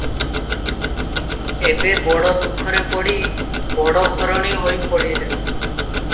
ଏବେ ବଡ଼ ଦୁଃଖରେ ପଡି ବଡ଼ ଘରଣୀ ହୋଇ ପଡ଼ିଲେଣି ।